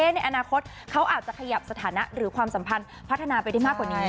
ในอนาคตเขาอาจจะขยับสถานะหรือความสัมพันธ์พัฒนาไปได้มากกว่านี้